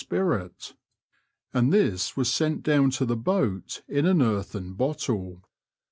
53 spirit, and this was sent down to the boat in an earthen bottle.